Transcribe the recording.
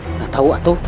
tidak tahu atau